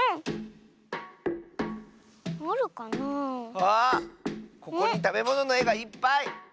あっここにたべもののえがいっぱい！